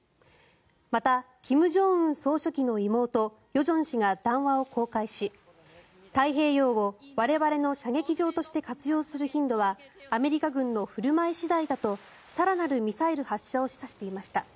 また、金正恩総書記の妹与正氏が談話を公開し太平洋を我々の射撃場として活用する頻度はアメリカ軍の振る舞い次第だと更なるミサイル発射を示唆していました。